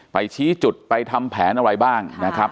ไปชี้จุดไปทำแผนอะไรบ้างนะครับ